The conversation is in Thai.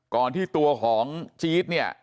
ที่ตัวของจี๊ดเนี่ย